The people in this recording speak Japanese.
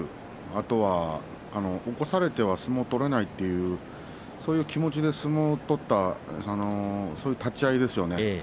あと起こされては相撲を取れないというそういう気持ちで取った立ち合いですよね。